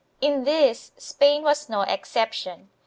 In this, Spain was no exception.